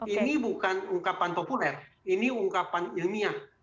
ini bukan ungkapan populer ini ungkapan ilmiah